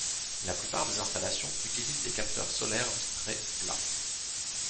La plupart des installations utilisent des capteurs solaires vitrés plats.